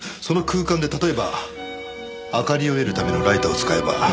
その空間で例えば明かりを得るためのライターを使えば。